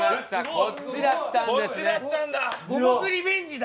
こっちだったんだ。